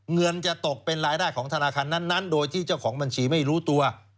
เงินจะตกเป็นรายได้ของธนาคารนั้นโดยที่เจ้าของบัญชีไม่รู้ตัว